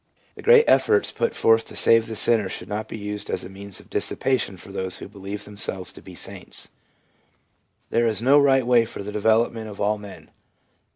The great efforts put forth to save the sinner should not be used as a means of dissipation for those who believe themselves to be saints. ...' There is no right way for the development of all men.